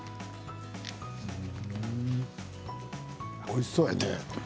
おいしそうだね。